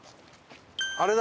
あれだ！